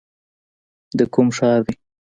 د کوم ښار دی ؟